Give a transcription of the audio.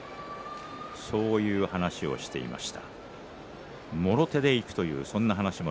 そういう話をしていました。